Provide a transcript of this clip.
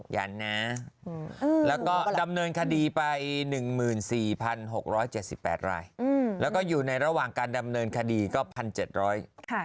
ยันนะแล้วก็ดำเนินคดีไป๑๔๖๗๘รายแล้วก็อยู่ในระหว่างการดำเนินคดีก็๑๗๐๐บาท